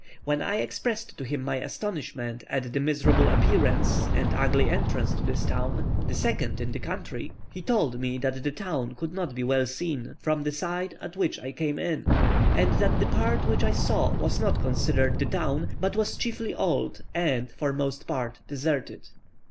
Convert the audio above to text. When I expressed to him my astonishment at the miserable appearance and ugly entrance to this town, the second in the country, he told me that the town could not be well seen from the side at which I came in, and that the part which I saw was not considered the town, but was chiefly old and, for the most part, deserted.